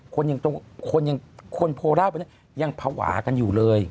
คนโพราบยังภาวะกันอยู่เลย